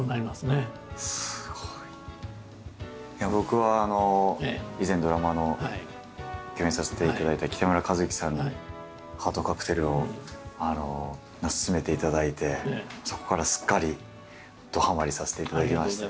僕は以前ドラマの共演させていただいた北村一輝さんに「ハートカクテル」を薦めていただいてそこからすっかりどはまりさせていただきました。